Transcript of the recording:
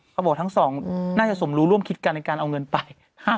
เขาบอกทั้งสองน่าจะสมรู้ร่วมคิดกันในการเอาเงินไป